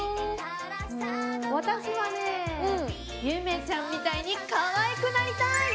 ゆめちゃんみたいにかわいくなりたい！